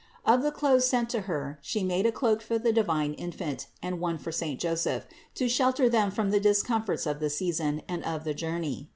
Of the clothes sent to Her She made a cloak for the divine Infant, and one for saint Joseph, to shelter Them from the discomforts of the season and of the journey.